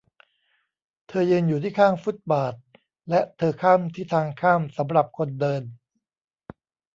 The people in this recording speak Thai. เธอยืนอยู่ที่ข้างฟุตบาทและเธอข้ามที่ทางข้ามสำหรับคนเดิน